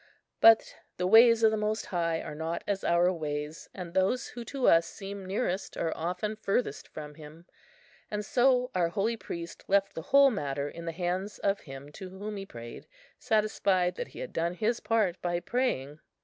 But the ways of the Most High are not as our ways, and those who to us seem nearest are often furthest from Him; and so our holy priest left the whole matter in the hands of Him to whom he prayed, satisfied that he had done his part in praying.